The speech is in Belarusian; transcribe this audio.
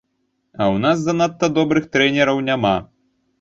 А ў нас занадта добрых трэнераў няма.